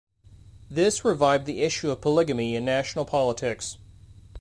This revived the issue of polygamy in national politics.